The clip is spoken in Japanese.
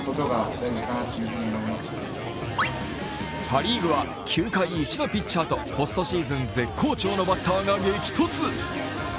パ・リーグは球界一のピッチャーとポストシーズン絶好調のバッターが激突。